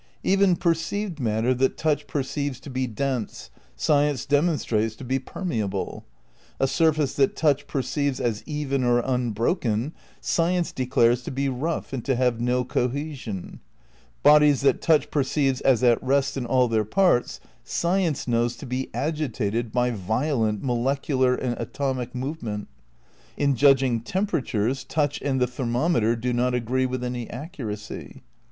Even perceived mat ter that touch perceives to be dense science demon strates to be permeable; a surface that touch perceives as even or unbroken science declares to be rough and to have no cohesion; bodies that touch perceives as at rest in all their parts science knows to be agitated by violent molecular and atomic movement. In judging temperatures touch and the thermometer do not agree with any accuracy.